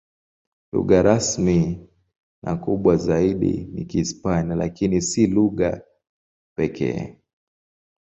Lugha rasmi na kubwa zaidi ni Kihispania, lakini si lugha pekee.